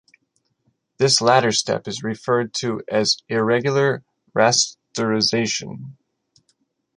This latter step is referred to as "irregular rasterization".